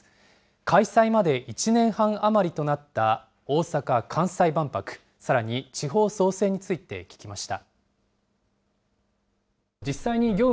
開催まで１年半余りとなった大阪・関西万博、さらに地方創生について聞きました。